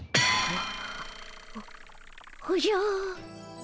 おおじゃ。